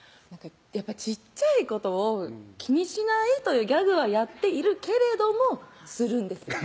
やっぱ「ちっちゃいことを気にしない」というギャグはやっているけれどもするんですよ